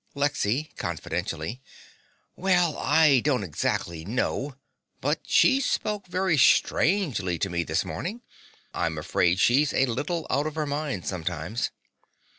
LEXY (confidentially). Well, I don't exactly know; but she spoke very strangely to me this morning. I'm afraid she's a little out of her mind sometimes.